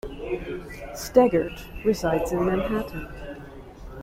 Steggert resides in Manhattan.